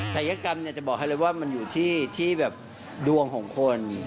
ัยกรรมจะบอกให้เลยว่ามันอยู่ที่แบบดวงของคน